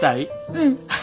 うん。